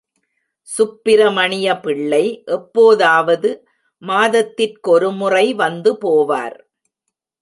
சுப்பிரமணிய பிள்ளை எப்போதாவது மாதத்திற்கொரு முறை வந்து போவார்.